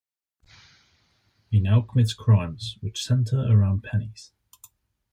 He now commits crimes which center around pennies.